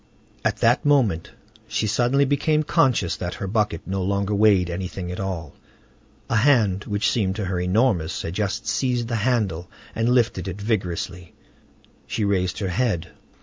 At that moment she suddenly became conscious that her bucket no longer weighed anything at all: a hand, which seemed to her enormous, had just seized the handle, and lifted it vigorously. She raised her head.